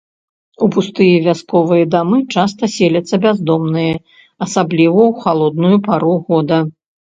У пустыя вясковыя дамы часта селяцца бяздомныя, асабліва ў халодную пару года.